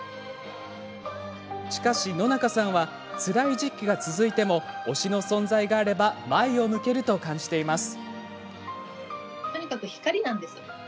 しかし、野中さんはつらい時期が続いても推しの存在があれば前を向けると感じています。